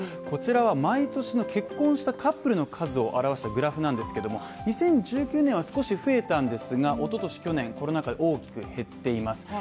こちらは毎年結婚したカップルの数を表したグラフなんですけども２０１９年は少し増えたんですがおととし、去年、コロナ禍、大きく減っています。